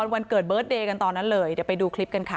วันเกิดเบิร์ตเดย์กันตอนนั้นเลยเดี๋ยวไปดูคลิปกันค่ะ